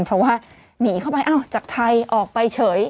เพราะว่าหนีเข้าไปอ้าวจากไทยออกไปเฉย